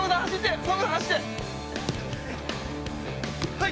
はい！